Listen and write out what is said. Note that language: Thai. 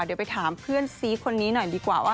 เดี๋ยวไปถามเพื่อนซีคนนี้หน่อยดีกว่าว่า